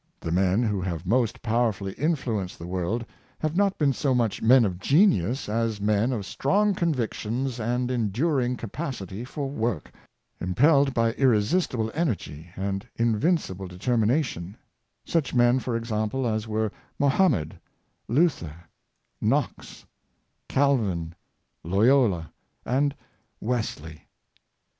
The men who have most powerfully influenced the world have not been so much men of genius as men of strong convictions and endur ing capacity for work, impelled by irresistible energy and invincible determination; such men, for example, as were Mohammed, Luther, Knox, Calvin, Loyola and Wesley.